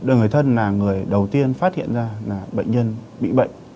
được người thân là người đầu tiên phát hiện ra là bệnh nhân bị bệnh